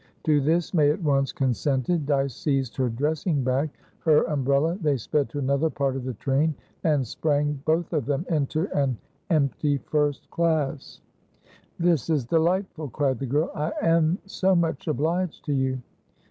To this May at once consented. Dyce seized her dressing bag, her umbrella; they sped to another part of the train, and sprang, both of them, into an empty first class. "This is delightful!" cried the girl. "I am so much obliged to you!"